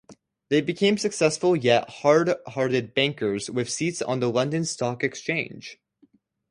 They became successful yet hard-hearted bankers, with seats on the London Stock Exchange.